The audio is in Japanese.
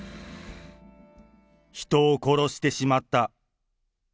人を殺してしまった。